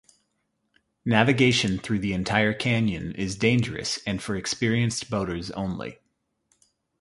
Navigation through the entire canyon is dangerous and for experienced boaters only.